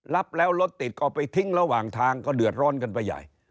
รับแล้วรถติดก็ไปทิ้งระหว่างทางก็เดือดร้อนกันไปใหญ่